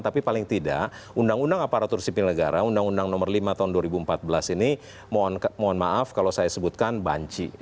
tapi paling tidak undang undang aparatur sipil negara undang undang nomor lima tahun dua ribu empat belas ini mohon maaf kalau saya sebutkan banci